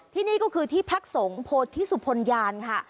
ที่นี่ก็คือที่พักศงโพธิสุภญาณค่ะ